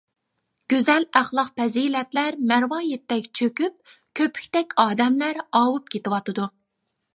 گۈزەل ئەخلاق-پەزىلەتلەر مەرۋايىتتەك چۆكۈپ، كۆپۈكتەك ئادەملەر ئاۋۇپ كېتىۋاتىدۇ.